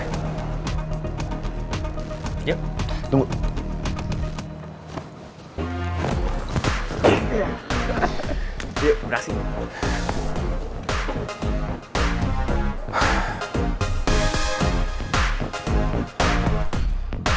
ke toilet sebentar ya